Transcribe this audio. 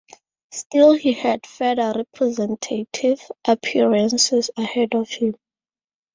Still he had further representative appearances ahead of him.